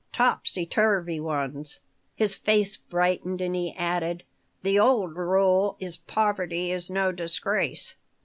"Topsy turvy ones." His face brightened, and he added: "The old rule is, 'Poverty is no disgrace.'